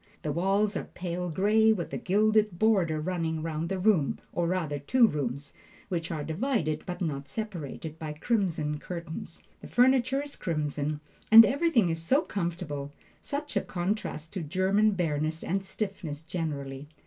The walls are pale gray, with a gilded border running round the room, or rather two rooms, which are divided, but not separated, by crimson curtains. The furniture is crimson, and everything is so comfortable such a contrast to German bareness and stiffness generally.